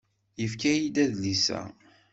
Yefka-iyi-d adlis-a.